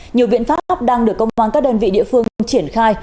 nhiều viện pháp đang được công an các đơn vị địa phương triển khai